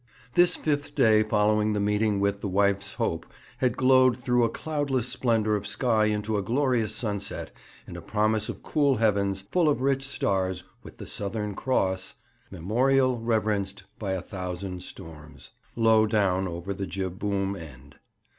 This fifth day following the meeting with the Wife's Hope had glowed through a cloudless splendour of sky into a glorious sunset, and a promise of cool heavens, full of rich stars, with the Southern Cross 'Memorial reverenced by a thousand storms' low down over the jib boom end.